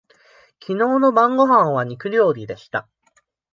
きのうの晩ごはんは肉料理でした。